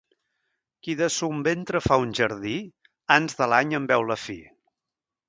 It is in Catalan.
Qui de son ventre fa un jardí, ans de l'any en veu la fi.